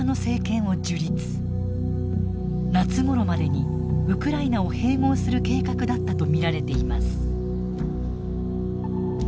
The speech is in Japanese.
夏ごろまでにウクライナを併合する計画だったと見られています。